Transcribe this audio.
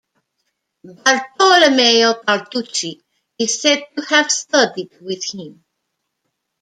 Bartolomeo Carducci is said to have studied with him.